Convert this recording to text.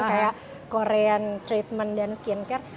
kayak korean treatment dan skincare